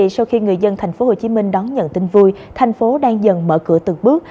sau khi người dân tp hcm đón nhận tin vui thành phố đang dần mở cửa từng bước